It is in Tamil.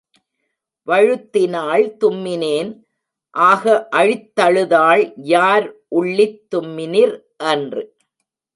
வழுத்தினாள் தும்மினேன் ஆக அழித்தழுதாள் யார் உள்ளித் தும்மினிர் என்று.